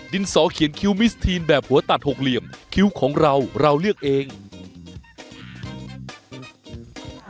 เบรกกันสักครู่เดี๋ยวกลับมากันฮะ